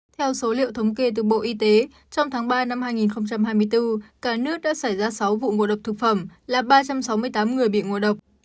theo số liệu thống kê từ bộ y tế trong tháng ba năm hai nghìn hai mươi bốn cả nước đã xảy ra sáu vụ ngộ độc thực phẩm là ba trăm sáu mươi tám người bị ngộ độc